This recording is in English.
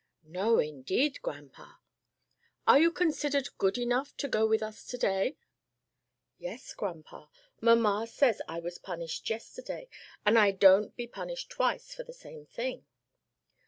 "No, indeed, grandpa." "Are you considered good enough to go with us to day?" "Yes, grandpa, mamma says I was punished yesterday, and I don't be punished twice for the same thing."